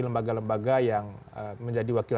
lembaga lembaga yang menjadi wakil